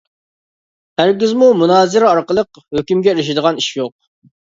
ھەرگىزمۇ مۇنازىرە ئارقىلىق ھۆكۈمگە ئېرىشىدىغان ئىش يوق.